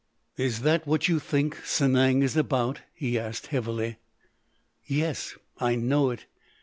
"Is that what you think Sanang is about?" he asked heavily. "Yes. I know it.